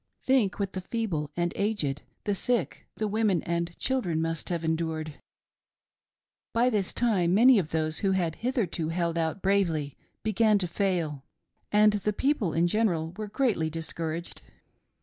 Think what the feeble and aged, the sick, the women and children must have endured ! "By this time many of those who had hitherto held out bravely began to fail, and the people in general were greatly discouraged.